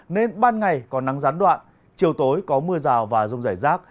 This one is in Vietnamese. nên ban ngày còn nắng rán đoạn chiều tối có mưa rào và rông rải rác